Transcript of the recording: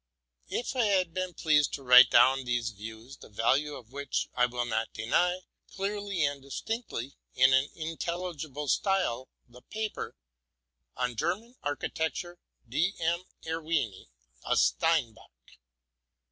If I had been pleased to write down these views, the value of which I will not deny, clearly and distinetly, in an intel ligible style, the paper '*On German Architecture, 7: M: Ervini a Steinbach,''?